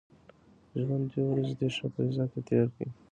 ژوند دوې ورځي دئ، ښه په عزت ئې تېر کئ!